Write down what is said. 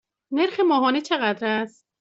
نرخ ماهانه چقدر است؟